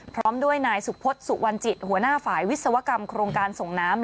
พร้อมด้วยนายสุพศสุวรรณจิตหัวหน้าฝ่ายวิศวกรรมโครงการส่งน้ำ